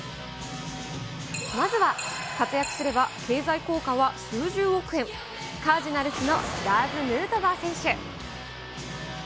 まずは活躍すれば経済効果は数十億円、カージナルスのラーズ・ヌートバー選手。